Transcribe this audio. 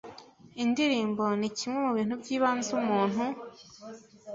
Indirimbo ni kimwe mu bintu byibanze umuntu